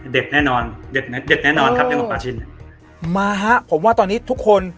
เด็ดแน่นอนเด็ดเด็ดแน่นอนครับเรื่องของปาชินมาฮะผมว่าตอนนี้ทุกคน